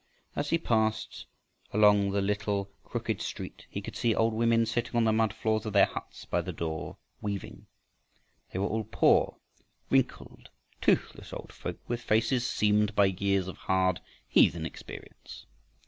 As he passed along the little crooked street he could see old women sitting on the mud floors of their huts, by the open door, weaving. They were all poor, wrinkled, toothless old folk with faces seamed by years of hard heathen experience.